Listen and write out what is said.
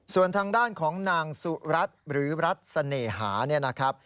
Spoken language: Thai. ส่วนทางด้านของนางสุรัตน์หรือรัฐเสน่หา